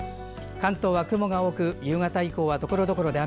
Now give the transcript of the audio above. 関東は雲が多く、夕方以降はところどころで雨。